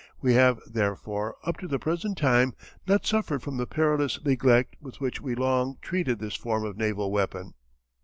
We have, therefore, up to the present time, not suffered from the perilous neglect with which we long treated this form of naval weapon.